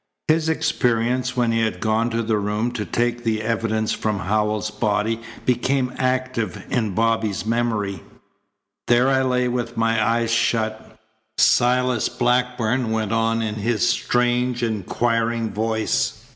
His experience when he had gone to the room to take the evidence from Howells's body became active in Bobby's memory. "There I lay with my eyes shut," Silas Blackburn went on in his strange, inquiring voice.